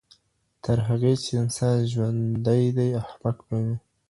تر هغې چي انسان ژوندی دی احمق به وي.